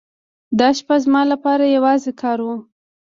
دا شپه زما لپاره یوازې کار و.